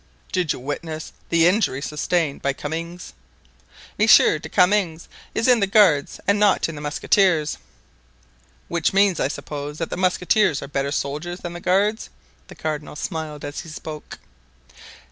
"Did you witness the injury sustained by Comminges?" "Monsieur de Comminges is in the guards and not in the musketeers——" "Which means, I suppose, that the musketeers are better soldiers than the guards." The cardinal smiled as he spoke.